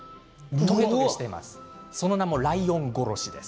その名もライオンゴロシです。